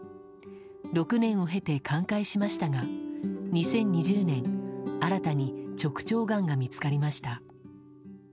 ６年を経て寛解しましたが２０２０年新たに直腸がんが見つかりました。